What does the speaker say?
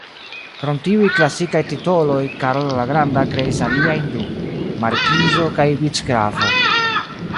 Krom tiuj "klasikaj" titoloj, Karolo la Granda kreis aliajn du: markizo kaj vicgrafo.